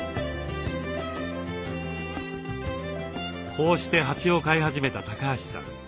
こうして蜂を飼い始めた橋さん。